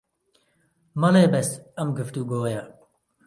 مەڵێ بەس ئەم گوفتوگۆیە